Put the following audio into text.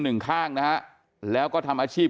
หนึ่งข้างนะฮะแล้วก็ทำอาชีพ